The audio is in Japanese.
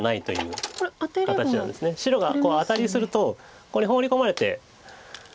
白がアタリするとここにホウリ込まれて。